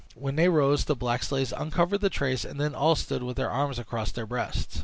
When they rose, the black slaves uncovered the trays, and then all stood with their arms crossed over their breasts.